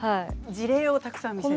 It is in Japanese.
事例をたくさん見せていく。